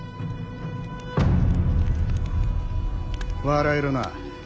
笑えるな。